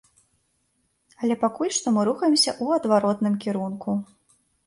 Але пакуль што мы рухаемся ў адваротным кірунку.